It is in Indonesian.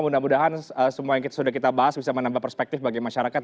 mudah mudahan semua yang sudah kita bahas bisa menambah perspektif bagi masyarakat